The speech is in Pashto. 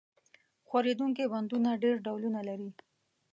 ښورېدونکي بندونه ډېر ډولونه لري.